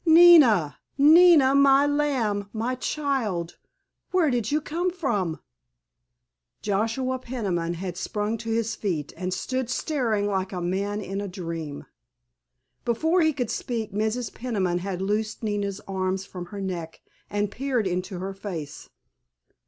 "Nina! Nina! My lamb! My child! Where did you come from?" Joshua Peniman had sprung to his feet and stood staring like a man in a dream. Before he could speak Mrs. Peniman had loosed Nina's arms from her neck and peered into her face.